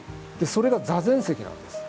それが座禅石なんです。